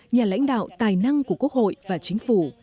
nhà lãnh đạo tài năng của quốc hội và chính phủ